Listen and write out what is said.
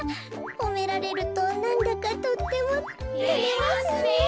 ほめられるとなんだかとってもてれますねえ。